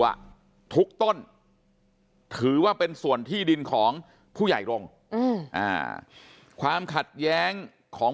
ทุกต้นถือว่าเป็นส่วนที่ดินของผู้ใหญ่รงค์ความขัดแย้งของ